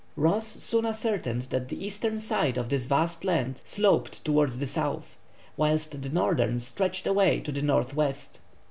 Ross soon ascertained that the eastern side of this vast land sloped towards the south, whilst the northern stretched away to the north west.